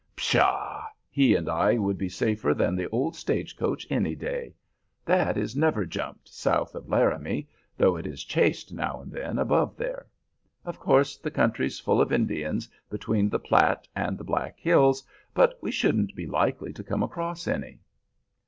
Pshaw! He and I would be safer than the old stage coach any day. That is never 'jumped' south of Laramie, though it is chased now and then above there. Of course the country's full of Indians between the Platte and the Black Hills, but we shouldn't be likely to come across any."